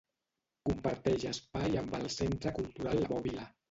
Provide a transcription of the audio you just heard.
Comparteix espai amb el Centre Cultural La Bòbila.